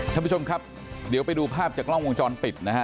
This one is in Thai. ท่านผู้ชมครับเดี๋ยวไปดูภาพจากกล้องวงจรปิดนะฮะ